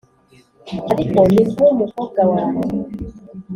ariko ni nkumukobwa wanjye